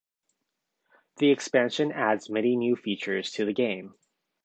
The expansion adds many new features to the game.